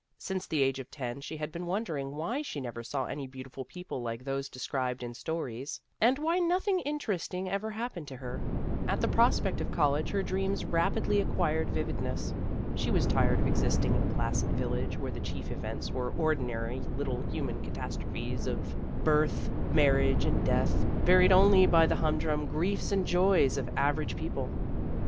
Since the age of ten, she had been wondering why she never saw any beautiful people like those described in stories, and why nothing interesting ever happened to her. At the prospect of college, her dreams rapidly acquired vividness. She was tired of existing in a placid village, where the chief events were ordinary little human catastrophes of birth, marriage, and death, varied only by the humdrum griefs and joys of average peo ple.